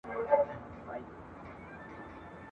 ډنبار په شپاړس کلني کي ..